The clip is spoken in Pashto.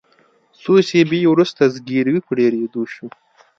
څو شیبې وروسته زګیروي په ډیریدو شو.